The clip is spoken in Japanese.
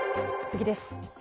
次です。